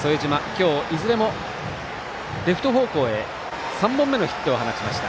今日、いずれもレフト方向へ３本目のヒットを放ちました。